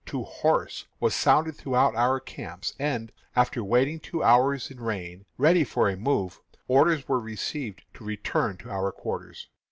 "to horse" was sounded throughout our camps; and, after waiting two hours in rain, ready for a move, orders were received to return to our quarters.